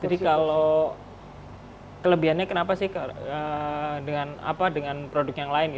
jadi kalau kelebihannya kenapa sih dengan produk yang lain